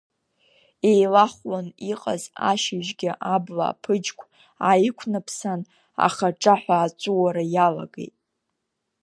Еилахәлан иҟаз ашьыжьгьы абла аԥыџьқә, ааиқәнаԥсан, ахаҽаҳәа аҵәуара иалагеит.